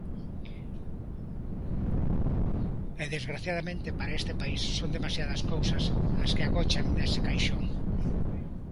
E desgraciadamente para este país son demasiadas cousas as que agochan nese caixón.